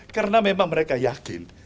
karena memang mereka yakin